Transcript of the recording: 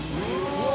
うわ！